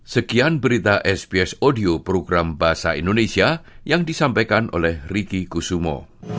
sekian berita sbs audio program bahasa indonesia yang disampaikan oleh riki kusumo